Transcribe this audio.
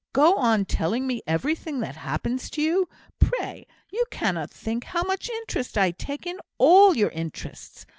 Go on telling me everything that happens to you, pray; you cannot think how much interest I take in all your interests.